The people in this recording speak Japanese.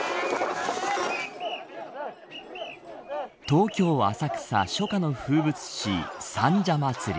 東京、浅草初夏の風物詩、三社祭。